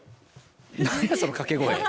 何やその掛け声。